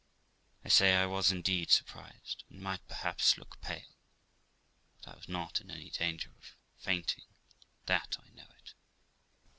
I say, I was indeed surprised, and might, perhaps, look pale, but I was not in any danger of fainting that I knew of.